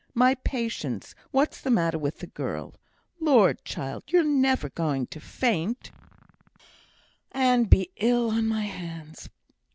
My patience! what's the matter with the girl? lord, child, you're never going to faint, and be ill on my hands?"